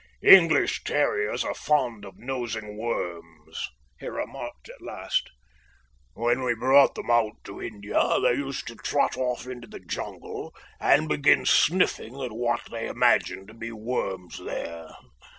"English terriers are fond of nosing worms," he remarked at last. "When we brought them out to India they used to trot off into the jungle and begin sniffing at what they imagined to be worms there.